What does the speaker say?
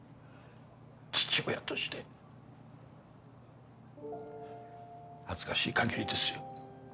父親として恥ずかしいかぎりですよ